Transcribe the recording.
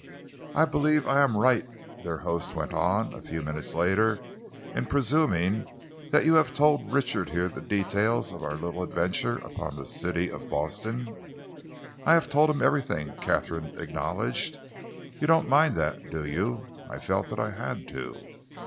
"I believe I am right," their host went on, a few minutes later, "in presuming that you have told Richard here the details of our little adventure upon the City of Boston?" "I have told him everything," Katharine acknowledged. "You don't mind that, do you? I felt that I had to."